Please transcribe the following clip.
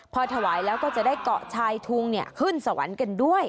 พอถวายแล้วก็จะได้เกาะชายทุงขึ้นสวรรค์กันด้วย